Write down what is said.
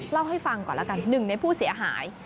เล่าให้ฟังก่อนแล้วกันหนึ่งในผู้เสียหาย